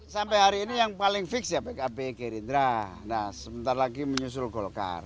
sampai hari ini yang paling fix ya pkb gerindra nah sebentar lagi menyusul golkar